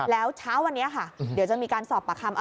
แล้วเช้าวันนี้ค่ะเดี๋ยวจะมีการสอบปากคำ